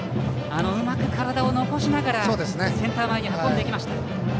うまく体を残しながらセンター前に運びました。